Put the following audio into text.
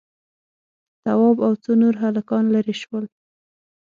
تواب او څو نور هلکان ليرې شول.